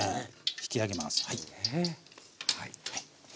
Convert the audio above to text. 引き上げますはい。